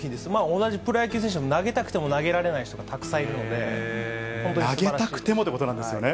同じプロ野球選手、投げたくても投げられない人がたくさんいるの投げたくてもということなんですよね。